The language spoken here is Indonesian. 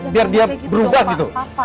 biar dia berubah gitu